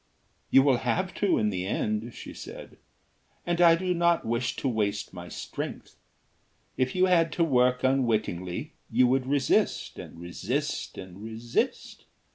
"You will have to in the end," she said, "and I do not wish to waste my strength. If you had to work unwittingly you would resist and resist and resist.